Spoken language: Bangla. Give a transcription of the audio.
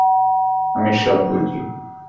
আমি সব বুঝি।